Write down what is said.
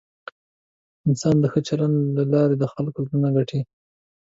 انسان د ښه چلند له لارې د خلکو زړونه ګټي.